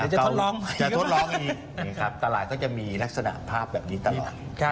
จะทดลองจะทดลองอีกนี่ครับตลาดก็จะมีลักษณะภาพแบบนี้ตลอด